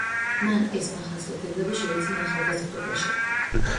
მან ეს მახასიათებლები შეიძინა ახალგაზრდობაში.